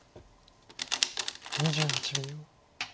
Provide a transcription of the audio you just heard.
２８秒。